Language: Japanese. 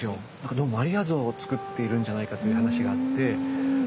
どうもマリア像をつくっているんじゃないかという話があって。